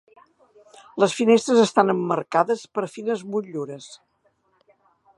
Les finestres estan emmarcades per fines motllures.